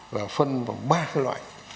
và phân vào ba